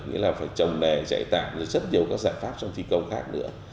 nghĩa là phải trồng đề dạy tạng rất nhiều các giải pháp trong thi công khác nữa